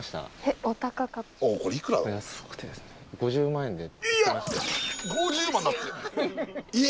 ５０万円で。